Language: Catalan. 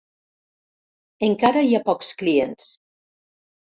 Encara hi ha pocs clients.